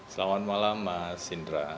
selamat malam mas indra